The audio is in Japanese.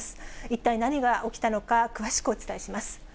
一体何が起きたのか、詳しくお伝えします。